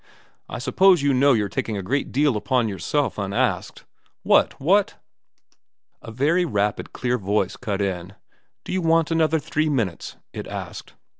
I suppose you know you're taking a great deal upon yourself unasked ' 'What? What?' A very rapid clear voice cut in. ' Do you want another three minutes ?' it asked.